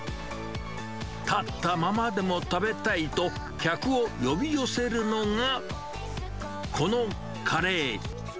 立ったままでも食べたいと、客を呼び寄せるのがこのカレー。